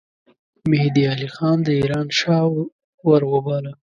مهدي علي خان د ایران شاه وروباله.